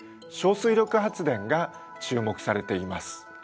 「小水力発電」が注目されています。